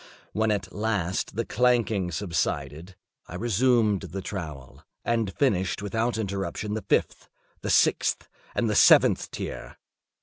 When at last the clanking subsided, I resumed the trowel, and finished without interruption the fifth, the sixth, and the seventh tier.